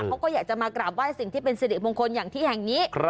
เขาก็อยากจะมากราบไห้สิ่งที่เป็นสิริมงคลอย่างที่แห่งนี้